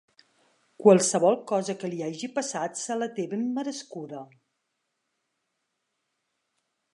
Qualsevol cosa que li hagi passat se la té ben merescuda.